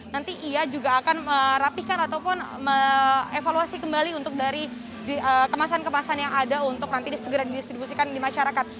nanti ia juga akan merapikan ataupun evaluasi kembali untuk dari kemasan kemasan yang ada untuk nanti disegera didistribusikan di masyarakat